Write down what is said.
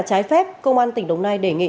trái phép công an tỉnh đồng nai đề nghị